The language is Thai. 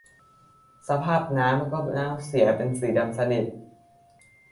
สภาพน้ำก็เน่าเสียเป็นสีดำสนิท